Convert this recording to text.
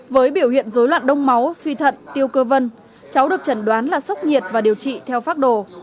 với biểu hiện dối loạn đông máu suy thận tiêu cơ vân cháu được chẩn đoán là sốc nhiệt và điều trị theo phác đồ